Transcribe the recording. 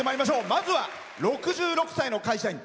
まずは６６歳の会社員。